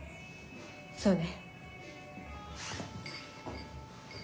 そうね。